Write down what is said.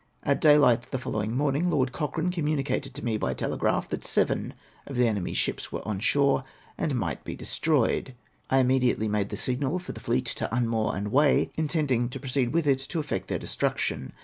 At daylight the following morning. Lord Cochrane com municated to me, by telegraph, that seven of the enemy's ships were on shore, and might be destroyed. I immediately made the signal for the fleet to unmoor and weigh, intending to proceed with it to effect their destruction.